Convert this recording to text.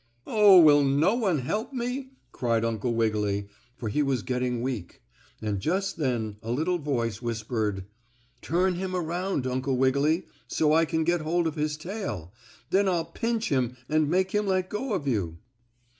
"Oh, will no one help me?" cried Uncle Wiggily, for he was getting weak. And just then a little voice whispered: "Turn him around, Uncle Wiggily, so I can get hold of his tail. Then I'll pinch him and make him let go of you."